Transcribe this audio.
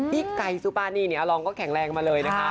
พี่ไก่สุปานีเนี่ยอารองก็แข็งแรงมาเลยนะคะ